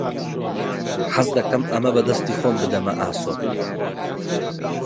حەز دەکەم ئەمە بە دەستی خۆم بدەمە ئاسۆ.